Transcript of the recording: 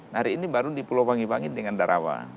hari ini baru di pulau wangi wangit dengan darawa